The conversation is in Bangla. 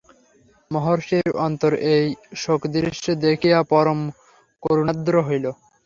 মহর্ষির অন্তর এই শোকদৃশ্য দেখিয়া পরম করুণার্দ্র হইল।